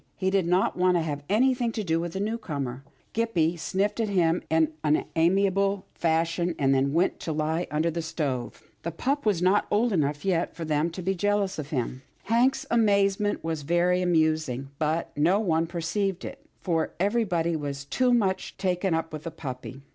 He did not want to have anything to do with the newcomer. Gippie sniffed at him in an unamiable fashion, and then went to lie under the stove. The pup was not old enough yet for them to be jealous of him. Hank's amazement was very amusing, but no one perceived it, for everybody was too much taken up with the puppy.